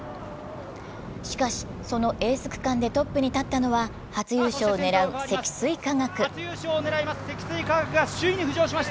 しかし、そのエース区間でトップに立ったのは、初優勝を狙う積水化学。